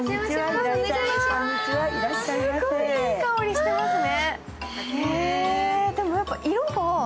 すっごいいい香りしてますね。